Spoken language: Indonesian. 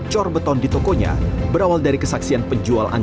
seperti ditunjukin yang allah maafkan mata lubang